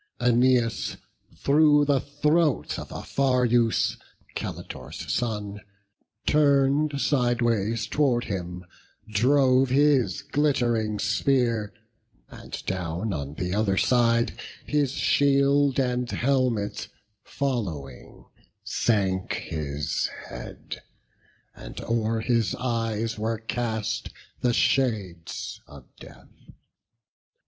Æneas through the throat of Aphareus, Caletor's son, turn'd sideways tow'rds him, drove His glitt'ring spear; and down on th' other side, His shield and helmet following, sank his head; And o'er his eyes were cast the shades of death.